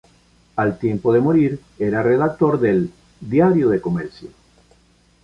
Al tiempo de morir era redactor del "Diario de Comercio".